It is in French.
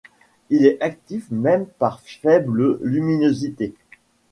Il est actif même par faible luminosité.